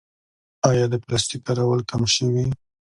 آیا د پلاستیک کارول کم شوي؟